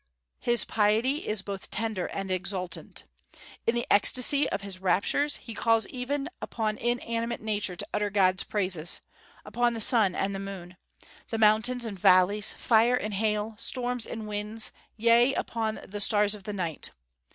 His piety is both tender and exultant. In the ecstasy of his raptures he calls even upon inanimate nature to utter God's praises, upon the sun and moon, the mountains and valleys, fire and hail, storms and winds, yea, upon the stars of night.